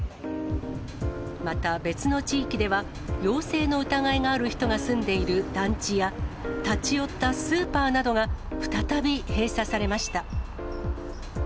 また別の地域では、陽性の疑いがある人が住んでいる団地や、立ち寄ったスーパーなどが、再び閉鎖されました。